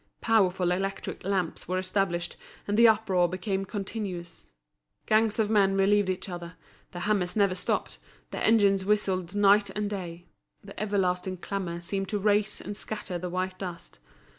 Powerful electric lamps were established, and the uproar became continuous. Gangs of men relieved each other; the hammers never stopped, the engines whistled night and day; the everlasting clamour seemed to raise and scatter the white dust.